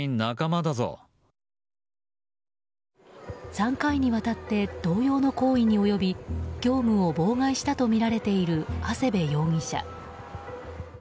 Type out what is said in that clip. ３回にわたって同様の行為に及び業務を妨害したとみられているハセベ容疑者。